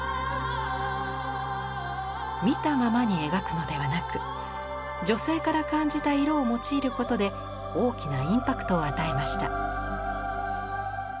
見たままに描くのではなく女性から感じた色を用いることで大きなインパクトを与えました。